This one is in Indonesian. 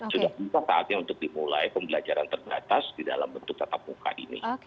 sudah bisa saatnya untuk dimulai pembelajaran terbatas di dalam bentuk tatap muka ini